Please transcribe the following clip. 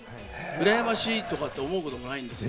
羨ましいとかって思うこともないんです。